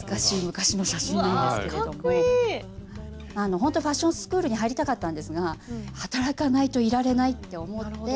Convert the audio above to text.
ほんとはファッションスクールに入りたかったんですが働かないといられないって思って。